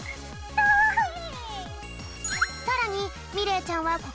かわいい！